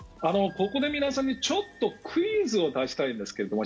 ここで皆さんにちょっとクイズを出したいんですけれども。